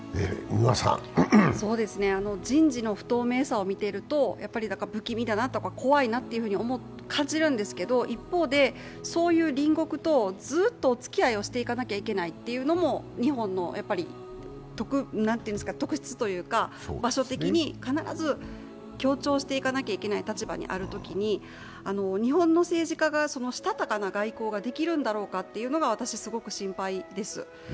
人事の不透明さを見ていると不気味だとか怖いなとか感じるんですけど一方で、そういう隣国とずっとおつきあいをしていかなきゃいけないというのも日本の特質というか、場所的に必ず協調していかなきゃいけない立場にあるときに、日本の政治家がしたたかな外交ができるのだろうかと私、すごく心配です。